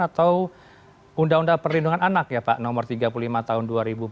atau undang undang perlindungan anak ya pak nomor tiga puluh lima tahun dua ribu dua puluh